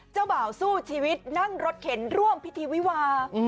บ่าวสู้ชีวิตนั่งรถเข็นร่วมพิธีวิวา